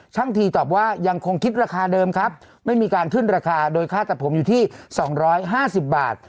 ทั้งทีตอบว่ายังคงคิดราคาเดิมครับไม่มีการขึ้นราคาโดยค่าตัดผมอยู่ที่สองร้อยห้าสิบบาท